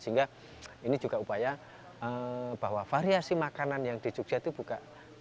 sehingga ini juga upaya bahwa variasi makanan yang di jogja itu buka